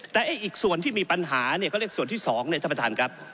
แต่อีกส่วนที่มีปัญหาเนี่ยเขาเรียกส่วนที่๒เนี่ยท่านประธานครับ